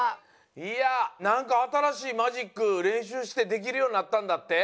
いやなんかあたらしいマジックれんしゅうしてできるようになったんだって？